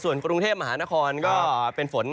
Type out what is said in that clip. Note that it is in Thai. ส่วนกรุงเทพมหานครก็เป็นฝน